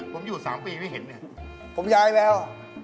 ผมอยู่๓ปีไม่เห็นเนี่ยผมย้ายแล้ว